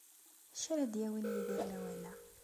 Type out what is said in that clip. D acu ara d-yawin Yidir lawan-a?